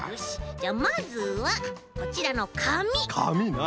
じゃあまずはこちらのかみ。かみな。